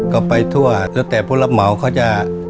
ก็ไปทั่วแล้วแต่ผู้รับเหมาเขาจะ